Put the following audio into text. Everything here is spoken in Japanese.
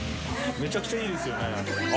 めちゃくちゃいいですよね